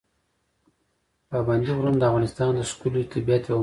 پابندي غرونه د افغانستان د ښکلي طبیعت یوه مهمه برخه ده.